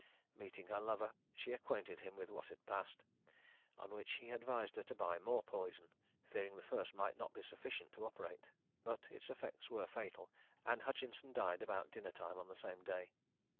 Meeting her lover, she acquainted him with what had passed; on which he advised her to buy more poison, fearing the first might not be sufficient to operate; but its effects were fatal, and Hutchinson died about dinner time on the same day.